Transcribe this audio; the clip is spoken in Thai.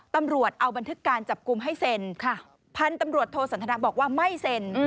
ตำรวจเอาบันทึกการจับกลุ่มให้เซ็นพันธุ์ตำรวจโทสันทนาบอกว่าไม่เซ็น